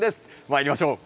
まいりましょう。